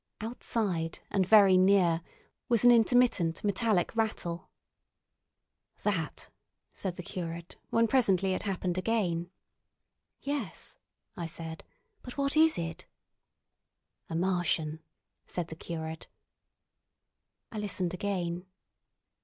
Outside and very near was an intermittent, metallic rattle. "That!" said the curate, when presently it happened again. "Yes," I said. "But what is it?" "A Martian!" said the curate. I listened again.